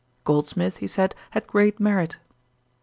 Goldsmith, he said, had great merit.